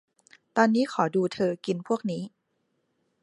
ตอนนี้ขอดูเธอกินพวกนี้